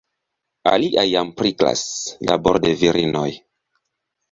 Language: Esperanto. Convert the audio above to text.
Aliaj jam priklas: laboro de virinoj.